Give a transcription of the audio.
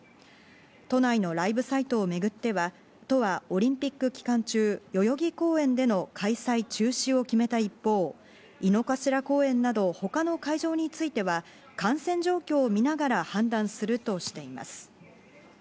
都内のライブサイトをめぐっては、都はオリンピック期間中、代々木公園での開催中止を決めた一方、井の頭公園など他の会場については感染状況を見ながら判断するとしています。